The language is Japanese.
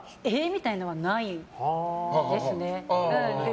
みたいなのはないですね。